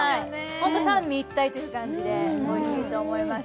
ホント三位一体という感じでおいしいと思います